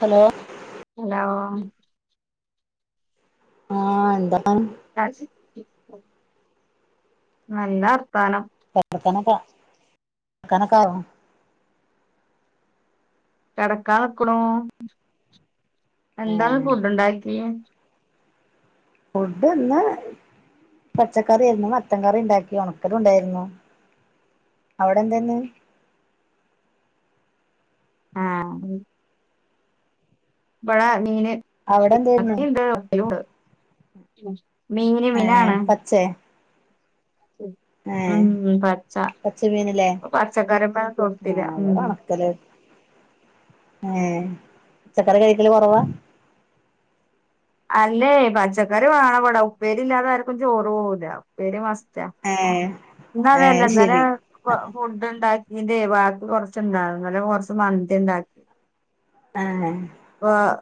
Hello hello ആ എന്താ നല്ല വർത്താനം [unintelligible] കെടക്കാ നിക്കുണു എന്താന്ന് ഏഹ് ഫുഡുണ്ടാക്ക്യേ ഫുഡ് ഇന്ന് പച്ചക്കറിയേര്ന്നു മത്തൻ കറിണ്ടാക്കി ഉണക്കലും ഉണ്ടായിരുന്നു അവിടെ എന്തേന്ന് ആഹ് ഉം ബടെ മീന് അവിടെ മത്തി എന്തായിരുന്നു മത്തിണ്ട് ഉണക്കലൂണ്ട് മീന് ഏഹ് മിനാണ് പച്ചേ ഏഹ് പച്ച പച്ചമീനല്ലേ പച്ചക്കറിപ്പ കൊടുത്തില്ല ആഹ് ഇവിടെ ഉം ഉണക്കല് ഏഹ് പച്ചക്കറി കഴിക്കല് കുറവാ അല്ലേ പച്ചക്കറി വേണേവിടാ ഉപ്പേരി ഇല്ലാതെ ആർക്കും ചോറ് പോവൂല്ല ഉപ്പേരി മസ് ആഹ് എന്താന്ന് അന്നേരം ഫുഡ് ഉണ്ടാക്കിത് വാക്കി കൊറച്ച് ഉണ്ട് കൊറച്ച് മന്തി ഉണ്ടാക്കി ആഹ് ആഹ്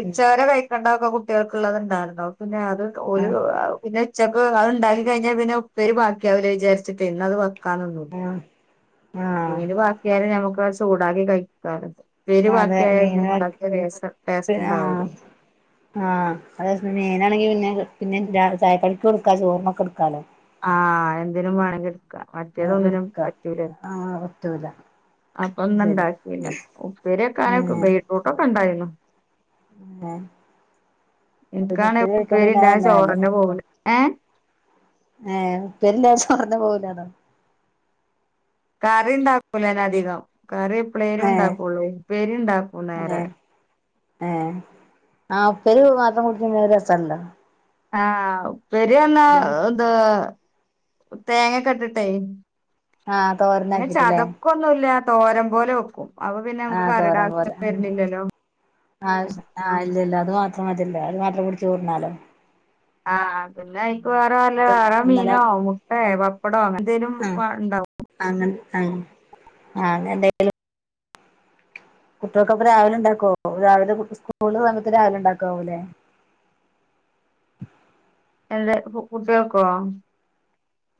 ഉച്ചാര കഴി ക്കണ്ടത്ത കുട്ടികൾക്കുള്ളത് ഉണ്ടായിരുന്ന് പിന്നെ അത് ഒര് ആഹ് പിന്നെ ഉച്ചക്ക് അത്ണ്ടാക്കി കഴിഞ്ഞാൽ പിന്നെ ഉപ്പേരി ബാക്കിയാവില്ലേ വിചാരിച്ചിട്ട് ഇന്ന് അത് വെക്കാനിന്നൂ ആഹ് ആഹ് ഏത് ബാക്കിയാലും ഞമ്മക്ക് ചൂടാക്കി കഴിക്കാറ് ഉപ്പേരി അതെ ബാക്കിയായാലും മീന് [unintelligible] ടേസ്റ്റ് ആഹ് ഉണ്ടാവില്ല ആഹ് അത് മീനാണെങ്കി പിന്നെ പിന്നെ ചായക്കടക്ക് കൊടുക്കാ ചോർമൊക്കെ എടുക്കാലോ ആഹ് എന്തിനും വേണമെങ്കിൽ എടുക്ക മറ്റേത് ഒന്നിനും പറ്റൂല റ്റൂല അപ്പൊ ഒന്നും ഉണ്ടാക്കില ഉപ്പിരിക്കെന ഏഹ് ബീറ്റ്റൂട്ടോക്കെ ഉണ്ടായിരുന്നു ഏഹ് പിന്നെ എനിക്കാണെ കഴിക്കാണ്ട് ഉപ്പേരി പിന്നെ ഉണ്ടായി അതെന്നെ നല്ലേ ചോറന്നെ പോകല് ഏഹ് ഏഹ് ഉപ്പേരി ഇല്ല ദിവസം ചോറന്നെ പോവലലോ കറിണ്ടക്കൂലന അധികം കറി എപ്പളെലും ഏഹ് ഉണ്ടാക്കുള്ളു ഉപ്പേരി ഉണ്ടാക്കൂ നേരെ ഏഹ് ഏഹ് ആഹ് ഉപ്പേരി മാത്രം കുടിക്കുമ്പോ ഒരു രസണ്ടോ ആഹ് ഉപ്പേരി എന്ന ഇത് തേങ്ങേക്കെ ഇട്ടിട്ടേ ആഹ് പിന്നെ തോരനാക്കിട്ട്ല്ലേ ചതൊക്കൊന്നുവില്ല തോരം പോലെ വെക്കും അപ്പോ പിന്നെ നമുക്ക് ആഹ് കറിടെ ആവശ്യം വരുന്നില്ലല്ലോ ആവശ്യം ആഹ് ഇല്ലില്ല അത് മാത്രം മതില്ലോ അത് മാത്രം കുടിച്ച് ചോറുണാലോ ആഹ് പിന്നെ എനിക്ക് വേറെ വല്ല വേറെ ഇന്നലെ മീനോ മുട്ടെ പപ്പടോ അങ്ങനെ എന്തേലും ആഹ് ഉണ്ടാവും അങ്ങനെ ആഹ് അതെന്തേലും കുട്ടികൾക്കപ്പോ രാവിലെ ഉണ്ടാക്കുവൊ രാവിലെ സ്കൂൾ സമയത്ത് രാവിലെ ഉണ്ടാക്കുവല്ലേ [unintelligible] എറെ കുട്ടികൾക്കോ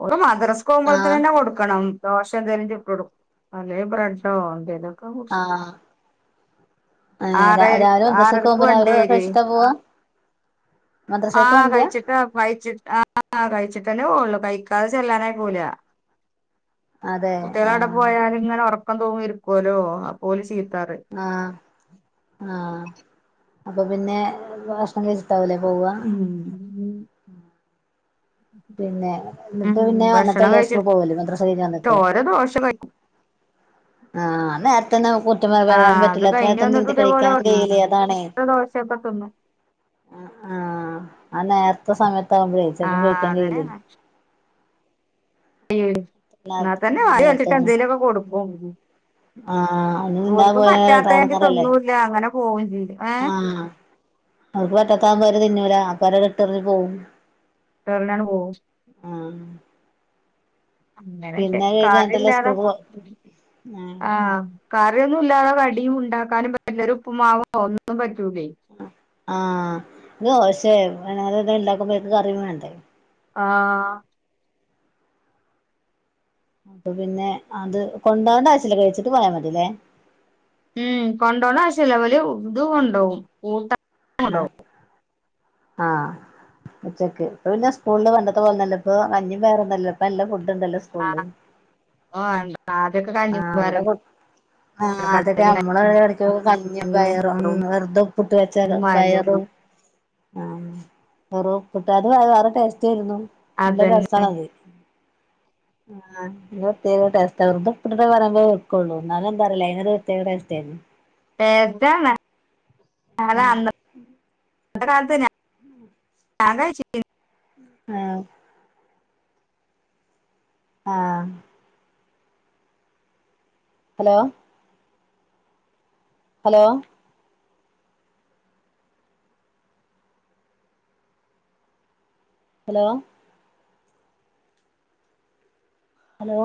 ഒര് മദ്രസ്ക്ക്‌ ആഹ് പോവുമ്പോഴ്ത്തന്നെ കൊടുക്കണം ദോശ ന്തേലും ചുട്ട് കൊടുക്കും അല്ലേ ബ്രെഡോ ന്തേലും ആഹ് ആറര രാവിലെ ദിവസക്ക് ആറരക്ക് വണ്ടി പോകുമ്പ വരുവേ കഴിച്ചിട്ടാ പോവാ മദ്രസക്ക് ആഹ് വണ്ടിയാ കഴിച്ചിട്ട് കഴിച്ചിട്ട് ആഹ് കഴിച്ചിട്ട് ട്ടന്നെ പോവുള്ളൂ കഴിക്കാതെ ചെല്ലാനാവുല്ല അതെ കുട്ടിള് അവിടെ ആഹ് പോയാല് ഇങ്ങനെ ഉറ ക്കം തോന്നിയിരിപ്പുല്ലോ അപ്പോല് ചി ആ ആ അപ്പൊ പിന്നെ ഭക്ഷണം കഴ ഉം [unintelligible] പിന്നെ ഉം എന്നിട്ട് പിന്നെ ഭക്ഷണം വന്നിട്ടല്ലേ സ്കൂൾ കഴിച്ചിട്ട് പോവല്ലോ മദ്രസ കഴിഞ്ഞു വന്നിട്ട് ഓരോ ദോശ കഴിക്കും ആ എന്ന വരാൻ ആഹ് അത് പറ്റില്ല കഴിഞ്ഞ് വന്നിട്ട് [unintelligible] ഇതേപോലെ കഴിക്കാനും കഴയൂല്ലേ അതാണെ. ഓരോ ദോശയൊക്കെ തിന്നും ആ ആ ആ നേരത്തെ സമയത്ത് ആകുമ്പോഴേ ചെലപ്പം കഴ [unintelligible] എന്നാ തന്നെ [unintelligible] എന്തെേലൊക്കെ കൊടുക്ക ആ [unintelligible] പോയ പറ്റാത്തയാണെങ്കി ഇടങ്ങറല്ലേ തിന്നൂല്ല അങ്ങനെ പോവും ചെയ്യും ഏഹ് ആ. അവക്ക് പറ്റാത്ത ആകുമ്പ അവര് തിന്നൂല അപ്പ അവരവിടെ ഇട്ടറിഞ്ഞ് പോവും. ആഹ് [unintelligible] അങ്ങനൊക്കെ പിന്നെ അത് കഴിഞ്ഞ് എന്നിട്ടല്ലേ കാട്ടില്ലാതാ സ്കൂൾക്ക് പോ ആഹ് ആ. കറിയൊന്നും ഇല്ലാതെ കടിയും ഉണ്ടാക്കാനും [unintelligible] ആഹ് ദോശേ അങ്ങനത്തെ എന്തേലുണ്ടാക്കുമ്പോക്ക കറിയും വേണ്ടേ? ആഹ് അപ്പൊ പിന്നെ അത് കൊണ്ടോണ്ട ആവശ്യല്ല കഴിച്ചിട്ട് പോയാ മതില്ലേ? ഉം കൊണ്ടോണ്ട ആശ്യല്ല ഇവല് ഇത് കൊണ്ടോവും കൂട്ടാൻ ആഹ് കൊണ്ടോവും. ആഹ് ഉച്ചക്ക് ഇപ്പ പിന്നെ സ്കൂളില് പണ്ടത്തെ പോലൊന്നുല്ല ഇപ്പോ കഞ്ഞി പയറൊന്നല്ലപ്പ നല്ല ഫുഡ്‌ ഡ് ണ്ടല്ലോ സ്കൂൾല്. ക്കൊക്കെ കഞ്ഞിം പയറും കൊ ആഹ് അതൊക്കെ നമ്മള [unintelligible] കഞ്ഞിം പയറും വെറുതെ ഉപ്പിട്ട് വെച്ച പയറും ആഹ് ഉം വെറും ഉപ്പിട്ടെ അത്‌ അത്‌ വേറെ ടേസ്റ്റേരുന്നു. നല്ല അതന്നെ രസാണത്. ആഹ് ന് പ്രത്യേക ടേസ്റ്റാ വെർതെ ഉപ്പിട്ടിട്ടെ പറയുമ്പൊ വെക്കുള്ളു എന്നാലും എന്താണെന്നറിയില്ല അതിനൊരു പ്രത്യേക ടേസ്റ്റേരുന്നു. ടേസ്റ്റാണ് കാര്ണം ഉം അന്നത്തെ അന്നത്തെ കാലത്ത് ഞാൻ കഴിച്ചിറ്റ് ആഹ് ആഹ് ഹലോ ഹലോ ഹലോ ഹലോ?